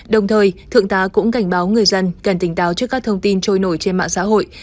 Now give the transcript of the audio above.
đồng thời thượng tá cũng cảnh báo người dân cần tỉnh táo trước các thông tin trôi nổi trên mạng xã hội